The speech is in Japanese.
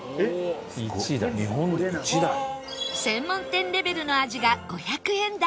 専門店レベルの味が５００円台